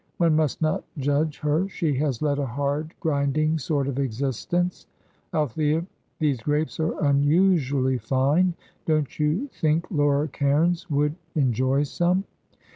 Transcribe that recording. one must not judge her, she has led a hard, grinding sort of existence. Althea, these grapes are unusually fine; don't you think Laura Cairns would enjoy some?